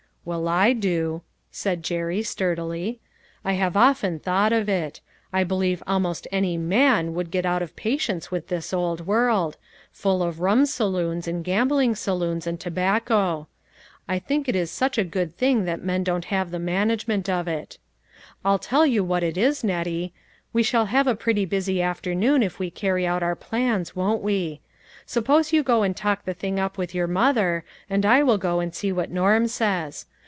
"Well, I do," said Jerry sturdily; "I have often thought of it ; I believe almost any man would get out of patience with this old world, PLEASURE AND DISAPPOINTMENT. 199 full of rum saloons, and gambling saloons and tobacco. I think it is such a good thing that men don't have the management of it. " I'll tell you what it is, Nettie, we shall have a pretty busy afternoon if we carry out our plans, won't we? Suppose you go and talk the thing up with your mother, and I will go and see what Norm says.